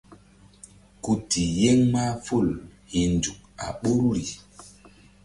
Ku ti yeŋ mahful hi̧nzuk a ɓoruri.